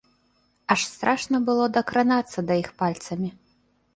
Аж страшна было дакранацца да іх пальцамі.